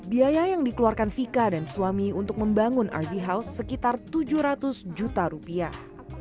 biaya yang dikeluarkan vika dan suami untuk membangun rv house sekitar tujuh ratus juta rupiah